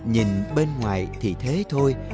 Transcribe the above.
nhìn bên ngoài thì thế thôi